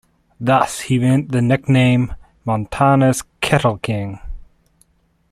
Thus he earned the nickname, "Montana's Cattle King".